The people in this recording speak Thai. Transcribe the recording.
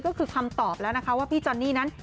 ก็คือคำตอบแล้วนะคะว่าพี่จอนนี่นั้น